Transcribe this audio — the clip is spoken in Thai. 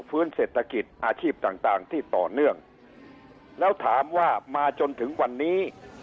ฟื้นเศรษฐกิจอาชีพต่างต่างที่ต่อเนื่องแล้วถามว่ามาจนถึงวันนี้